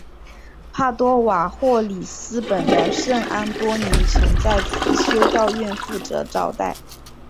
帕多瓦或里斯本的圣安多尼曾在此修道院负责招待。